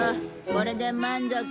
これで満足？